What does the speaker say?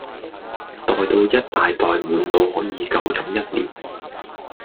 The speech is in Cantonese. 袋到一大袋滿到可以夠飲一年